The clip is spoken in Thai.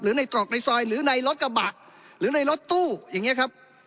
ในตรอกในซอยหรือในรถกระบะหรือในรถตู้อย่างนี้ครับ